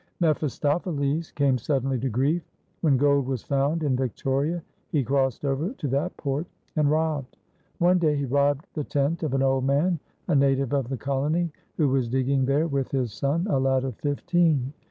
mephistopheles came suddenly to grief; when gold was found in Victoria he crossed over to that port and robbed. One day he robbed the tent of an old man, a native of the colony, who was digging there with his son, a lad of fifteen.